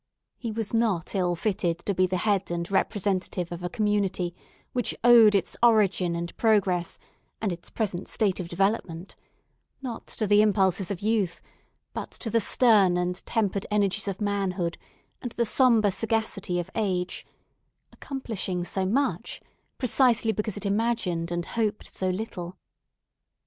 He was not ill fitted to be the head and representative of a community which owed its origin and progress, and its present state of development, not to the impulses of youth, but to the stern and tempered energies of manhood and the sombre sagacity of age; accomplishing so much, precisely because it imagined and hoped so little.